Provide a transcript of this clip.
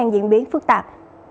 diễn biến phức tạp